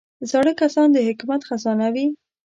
زاړه کسان د حکمت خزانه وي